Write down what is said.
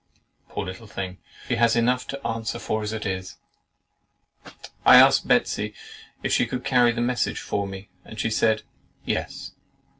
Poor little thing! She has enough to answer for, as it is. I asked Betsey if she could carry a message for me, and she said "YES."